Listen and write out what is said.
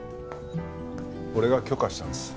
俺が許可したんです。